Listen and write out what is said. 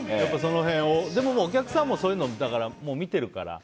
でもお客さんもその辺を見てるから。